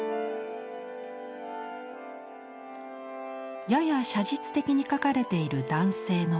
やや写実的に描かれている男性の顔